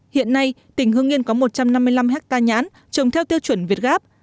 hiện nay tỉnh hưng yên có một trăm năm mươi năm ha nhãn trồng theo tiêu chuẩn việt gáp